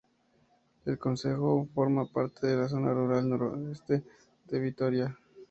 El concejo forma parte de la Zona Rural Noroeste de Vitoria.